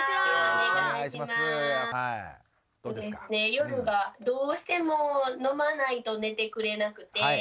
夜がどうしても飲まないと寝てくれなくて。